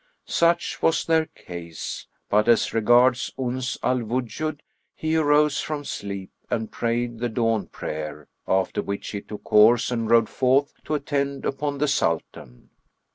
Such was their case; but as regards Uns al Wujud, he arose from sleep and prayed the dawn prayer, after which he took horse and rode forth to attend upon the Sultan.